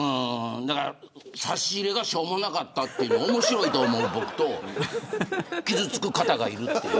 差し入れがしょうもなかったのを面白いと思う僕と傷つく方がいる。